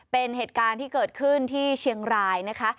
เป็นเหตุการณ์ที่เกิดขึ้นที่เชียงรายนะคะ